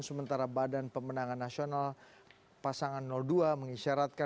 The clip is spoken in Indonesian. sementara badan pemenangan nasional pasangan dua mengisyaratkan